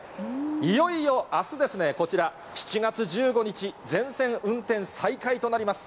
いよいよあすですね、こちら、７月１５日、全線運転再開となります。